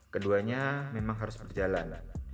keduanya memang harus berjalan